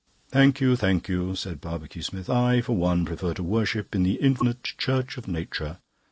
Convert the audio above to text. "Thank you, thank you," said Mr. Barbecue Smith. "I for one prefer to worship in the infinite church of Nature.